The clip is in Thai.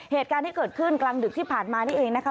เหตุการณ์ที่เกิดขึ้นกลางดึกที่ผ่านมานี่เองนะคะ